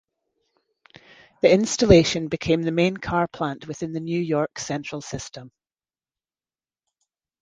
The installation became the main car plant within the New York Central system.